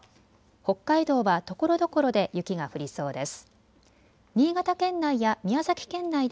北海道はところどころで雪が降りそうです。